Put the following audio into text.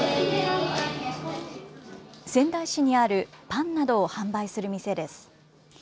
仙台市にあるパンなどを販売する店です。